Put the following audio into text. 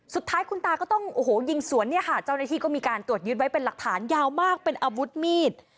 สุดท้ายคุณตาก็ต้องโอ้โหยิงสวนเนี่ยค่ะเจ้าหน้าที่ก็มีการตรวจยึดไว้เป็นหลักฐานยาวมากเป็นอาวุธมีด